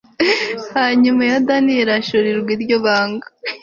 hanyuma daniyeli ahishurirwa iryo banga